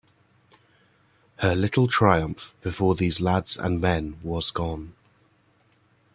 Her little triumph before these lads and men was gone.